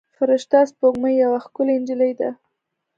فرشته سپوږمۍ یوه ښکلې نجلۍ ده.